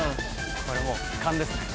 これもう勘ですね。